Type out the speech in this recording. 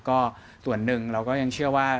ก็ส่วนหนึ่งเราก็ยังเชื่อว่า